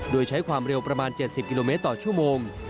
โดยใช้ความเร็วประมาณ๗๐กิโลเมตรต่อชั่วโมง